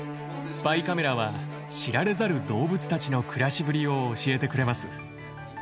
スパイカメラは知られざる動物たちの暮らしぶりを教えてくれます。